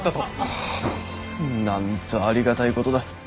あぁなんとありがたいことだ。